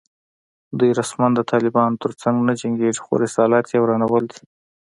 دوی رسماً د طالبانو تر څنګ نه جنګېږي خو رسالت یې ورانول دي